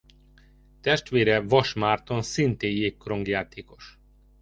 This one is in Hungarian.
Testvére Vas Márton szintén jégkorong játékos.